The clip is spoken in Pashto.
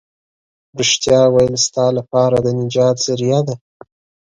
رښتيا ويل ستا لپاره د نجات ذريعه ده.